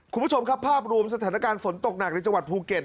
คุณผู้ชมครับภาพรวมสถานการณ์ฝนตกหนักในจังหวัดภูเก็ต